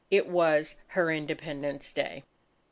It was her Independence Day.